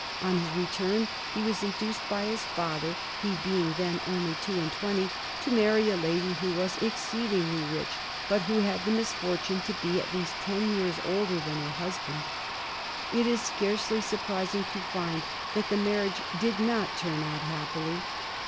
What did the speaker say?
On his return he was induced by his father, he being then only two and twenty, to marry a lady who was exceedingly rich, but who had the misfortune to be at least ten years older than her husband. It is scarcely surprising to find that the marriage did not turn out happily.